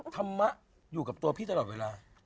ธรรมะอยู่กับตัวพี่ตลอดเวลา